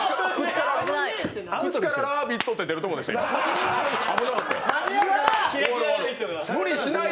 口から「ラヴィット！」って出るところでした、危ない。